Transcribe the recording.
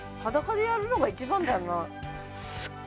裸でやるのが一番だよな